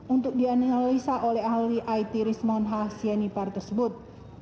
untuk dianalisa oleh ahli it rismon h sianipar tersebut